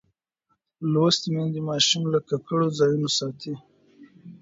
لوستې میندې ماشوم له ککړو ځایونو ساتي.